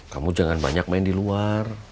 kamu jangan banyak main di luar